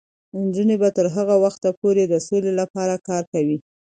نجونې به تر هغه وخته پورې د سولې لپاره کار کوي.